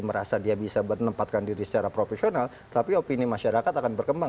merasa dia bisa menempatkan diri secara profesional tapi opini masyarakat akan berkembang